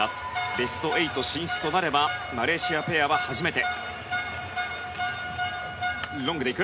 ベスト８進出となればマレーシアペアは、初めて。